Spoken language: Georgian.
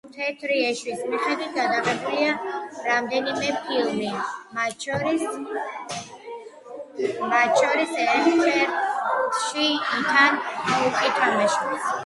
თეთრი ეშვის მიხედვით გადაღებულია რამდენიმე ფილმი, მათ შორის ერთ-ერთში ითან ჰოუკი თამაშობს.